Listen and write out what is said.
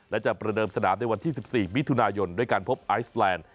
และจะประเดิมสนามในวันที่๑๔มิถุนายนด้วยการพบไอซแลนด์